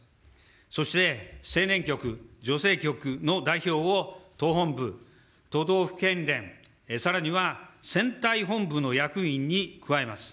そして、青年局、女性局の代表を党本部、都道府県連、さらには選対本部の役員に加えます。